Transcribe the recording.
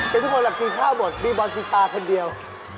แต่ทุกคนกินข้าวหมดมีบอลกินปลาคนเดียว